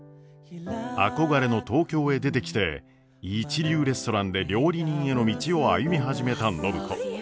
憧れの東京へ出てきて一流レストランで料理人への道を歩み始めた暢子。